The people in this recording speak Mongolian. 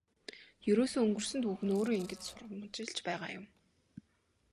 Ерөөсөө өнгөрсөн түүх нь өөрөө ингэж сургамжилж байгаа юм.